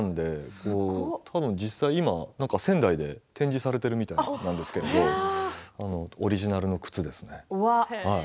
実際に仙台で展示されているみたいなんですけれどオリジナルの靴ですね。